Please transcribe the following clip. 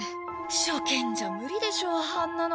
初見じゃ無理でしょあんなの。